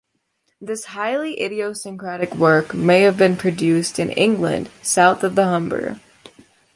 This highly idiosyncratic work may have been produced in England south of the Humber.